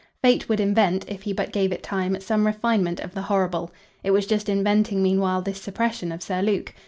Fate would invent, if he but gave it time, some refinement of the horrible. It was just inventing meanwhile this suppression of Sir Luke.